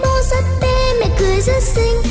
bố rất bê mẹ cười rất xinh